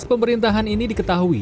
mobil dinas pemerintahan ini diketahui